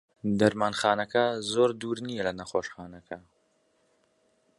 دەرمانخانەکە زۆر دوور نییە لە نەخۆشخانە.